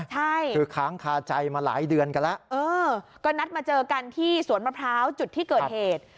ใช่คือค้างคาใจมาหลายเดือนกันแล้วเออก็นัดมาเจอกันที่สวนมะพร้าวจุดที่เกิดเหตุ